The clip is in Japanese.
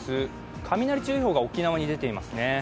雷注意報が沖縄に出ていますね。